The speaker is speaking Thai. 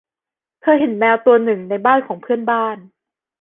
เธอเห็นแมวตัวหนึ่งในบ้านของเพื่อนบ้าน